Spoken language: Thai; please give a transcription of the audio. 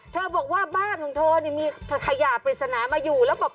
เธอบอกว่าบ้านลงโทษนี่มีขยะปริศนามาอยู่แล้วบอก